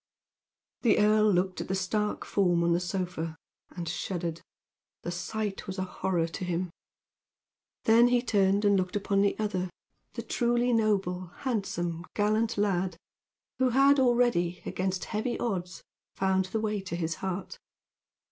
The earl looked at the stark form on the sofa and shuddered. The sight was a horror to him. Then he turned and looked upon the other the truly noble, handsome, gallant lad, who had already, against heavy odds, found the way to his heart.